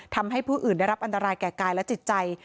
ทำให้ผู้อื่นได้รับอันตรายแก่กายและจิตใจ